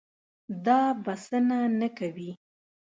دا بسنه نه کوي.